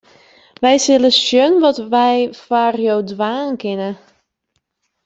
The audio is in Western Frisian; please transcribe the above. Wy sille sjen wat we foar jo dwaan kinne.